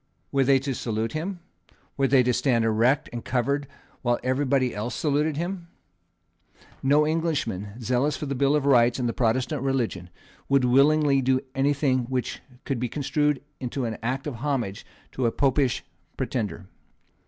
Were they to salute him? Were they to stand erect and covered while every body else saluted him? No Englishman zealous for the Bill of Rights and the Protestant religion would willingly do any thing which could be construed into an act of homage to a Popish pretender.